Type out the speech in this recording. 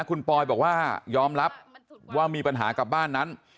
คุณปอยบอกว่ายอมรับว่ามีปัญหากับบ้านนั้น